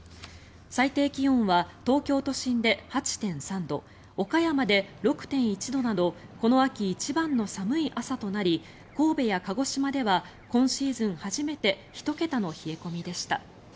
最低気温は東京都心で８．３度岡山で６．１度などこの秋一番の寒い朝となり神戸や鹿児島では今シーズン初めて１桁の冷え込みでした。